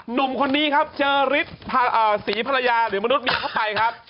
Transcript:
หนุ่มคนนี้ครับเจอฤทธิ์ศรีภรรยาหรือมนุษยเข้าไปครับ